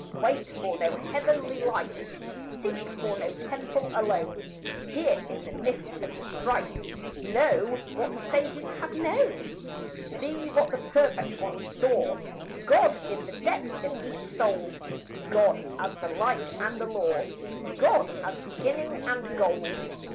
Wait for no heavenly life, Seek for no temple alone; Here, in the midst of the strife, Know what the sages have known. See what the Perfect Ones saw God in the depth of each soul, God as the light and the law, God as beginning and goal.